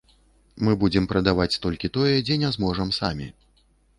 Мы будзем прадаваць толькі тое, дзе не зможам самі.